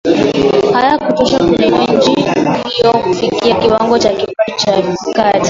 hayakutosha kuiinua nchi hiyo kufikia kiwango cha kipato cha kati